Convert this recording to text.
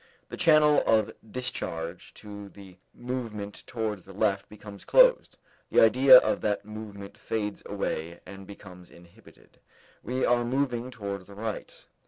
The channel of discharge to the movement towards the left becomes closed, the idea of that movement fades away and becomes inhibited: we are moving towards the right.